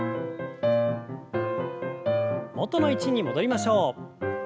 元の位置に戻りましょう。